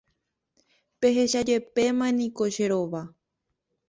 Pehechajepéma niko che rova.